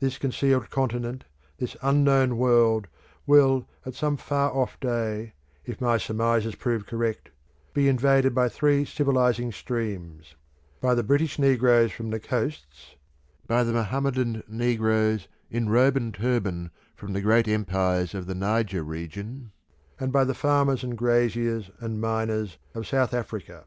This concealed continent, this unknown world, will at some far off day, if my surmises prove correct, be invaded by three civilising streams; by the British negroes from the coasts by the Mohammedan negroes in robe and turban from the great empires of the Niger region; and by the farmers and graziers and miners of South Africa.